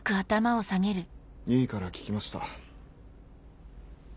唯から聞きました。